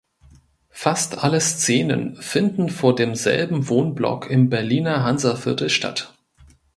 Fast alle Szenen finden vor demselben Wohnblock im Berliner Hansaviertel statt.